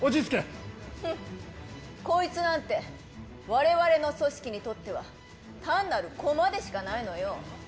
ふん、こいつなんて、われわれの組織にとっては、単なる駒でしかないのよ。